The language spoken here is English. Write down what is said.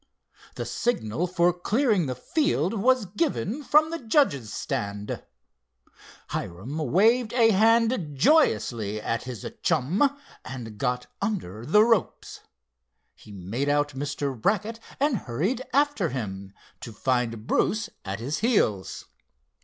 The signal for clearing the field was given from the judges' stand. Hiram waved a hand joyously at his chum, and got under the ropes. He made out Mr. Brackett and hurried after him, to find Bruce at his heels.